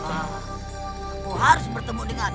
aku harus bertemu dengannya